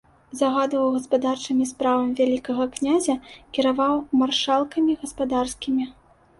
Загадваў гаспадарчымі справамі вялікага князя, кіраваў маршалкамі гаспадарскімі.